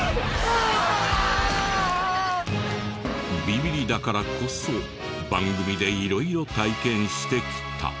ビビりだからこそ番組で色々体験してきた。